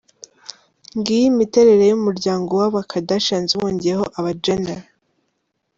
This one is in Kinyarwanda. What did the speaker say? Ngiyi imiterere y'umuryango w'aba Kardashians wongeyeho aba Jenner.